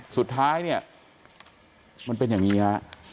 สุดท้ายเนี่ยมันเป็นอย่างนี้ฮะ